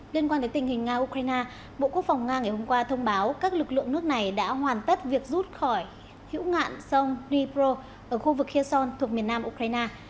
liên quan đến tình hình nga ukraine bộ quốc phòng nga ngày hôm qua thông báo các lực lượng nước này đã hoàn tất việc rút khỏi hiễu ngạn sông ripro ở khu vực eson thuộc miền nam ukraine